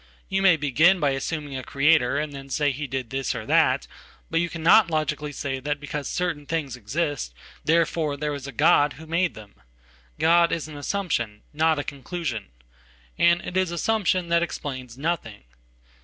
You may begin by assuminga creator, and then say he did this or that; but you cannotlogically say that because certain things exist, therefore there isa God who made them. God is an assumption, not a conclusion. And itis an assumption that explains nothing.